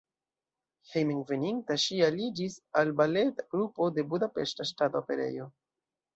Hejmenveninta ŝi aliĝis al baleta grupo de Budapeŝta Ŝtata Operejo.